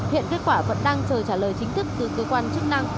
hiện kết quả vẫn đang chờ trả lời chính thức từ cơ quan chức năng